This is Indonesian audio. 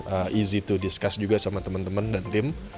easy to discuss juga sama temen temen dan tim